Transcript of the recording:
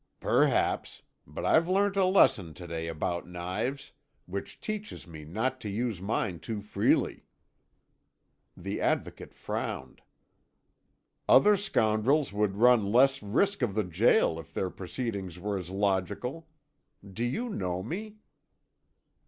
"Perhaps. But I've learnt a lesson to day about knives, which teaches me not to use mine too freely." The Advocate frowned. "Other scoundrels would run less risk of the gaol if their proceeding's were as logical. Do you know me?"